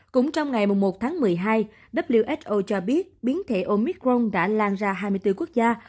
cũng trong ngày một tháng một mươi hai who cho biết biến thể omicron đã lan ra hai mươi bốn quốc gia